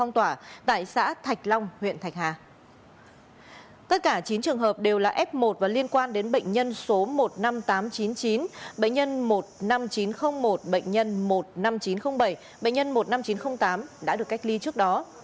tất cả chín trường hợp đều là f một và liên quan đến bệnh nhân số một mươi năm nghìn tám trăm chín mươi chín bệnh nhân một mươi năm nghìn chín trăm linh một bệnh nhân một mươi năm nghìn chín trăm linh bảy bệnh nhân một mươi năm nghìn chín trăm linh tám đã được cách ly trước đó